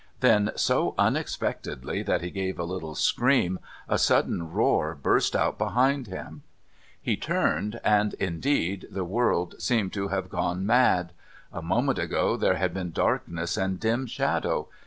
Then, so unexpectedly that he gave a little scream, a sudden roar burst out behind him. He turned and, indeed, the world seemed to have gone mad. A moment ago there had been darkness and dim shadow.